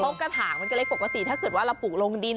เพราะกระถางมันก็เลยปกติถ้าเกิดว่าเราปลูกลงดิน